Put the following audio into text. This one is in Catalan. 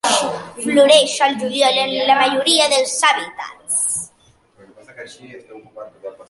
Floreix al juliol en la majoria dels hàbitats.